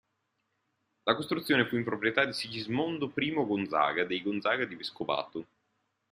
La costruzione fu in proprietà di Sigismondo I Gonzaga, dei Gonzaga di Vescovato.